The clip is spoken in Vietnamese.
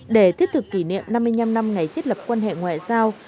để thiết thực kỷ niệm năm mươi năm năm ngày thiết lập quan hệ ngoại giao